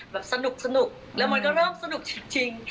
แบบสนุกแล้วมันก็เริ่มสนุกจริง